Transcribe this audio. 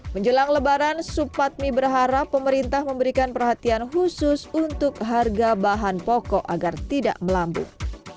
menjelang lebaran supatmi berharap pemerintah memberikan perhatian khusus untuk harga bahan pokok agar tidak melambung